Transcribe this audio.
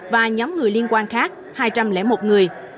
và nhóm người liên quan khác hai trăm linh một người